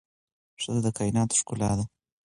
ښځه د کائناتو ښکلا ده